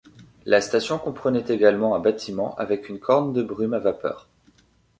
La station comprenait également un bâtiment avec une corne de brume à vapeur.